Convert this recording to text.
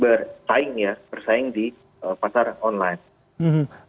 bersaing di pasar online